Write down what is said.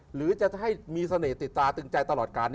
หรือจะให้มีเสน่ห์ติดตาตึงใจตลอดการ